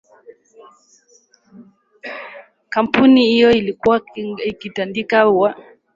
Kampuni hiyo ilikuwa ikitandika waya za simu baharini kati ya Zanzibar na Aden